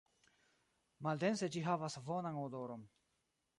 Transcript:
Maldense ĝi havas bonan odoron.